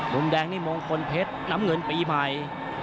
มุมแดงนี่มงคลเพชรน้ำเงินปีใหม่